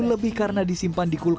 lebih karena disimpan di kulkaman